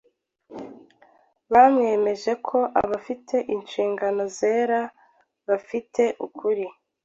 Bamwemeje ko abafite inshingano zera bafite ukuri.